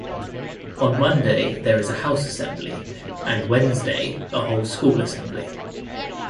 On Monday there is a house assembly and Wednesday a whole school assembly.